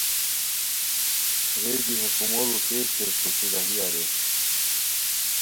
رے دی ہے کومورو تیز تیز کوسی راہی اریر